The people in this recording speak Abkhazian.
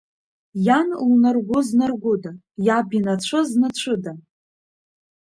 Иан лнаргәы знаргәыда, иаб инацәы знацәыда?!